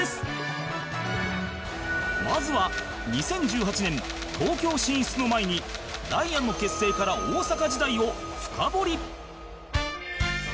まずは２０１８年東京進出の前にダイアンの結成から大阪時代を深掘り